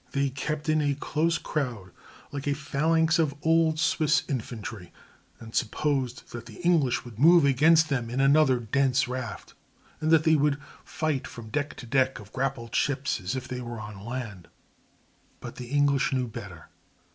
They kept in a close crowd, like a phalanx of old Swiss infantry, and supposed that the English would move against them in another dense raft, and that they would fight from deck to deck of grappled ships as if they were on land. But the English knew better.